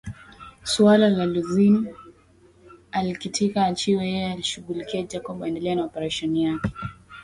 Suala la Zolin alkitaka aachiwe yeye alishughulikie Jacob aendelee na operesheni yake